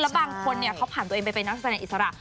บางคนเขาผ่านตัวเองไปเป็นนักแสดงอิสระ